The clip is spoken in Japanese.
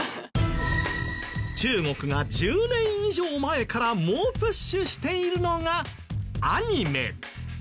中国が１０年以上前から猛プッシュしているのがアニメ。